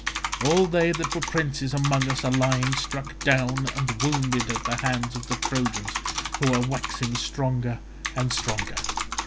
All they that were princes among us are lying struck down and wounded at the hands of the Trojans, who are waxing stronger and stronger.